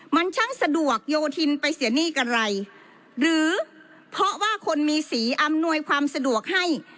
มันช่างสะดวกโยธินไปเสียหนี้กันไรหรือเพราะว่าคนมีสีอำนวยความสะดวกให้